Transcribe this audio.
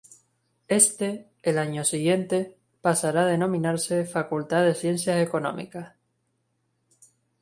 Éste, el año siguiente, pasará a denominarse Facultad de Ciencias Económicas.